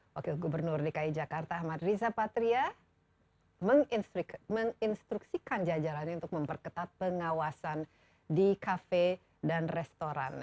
wakil gubernur dki jakarta ahmad riza patria menginstruksikan jajarannya untuk memperketat pengawasan di kafe dan restoran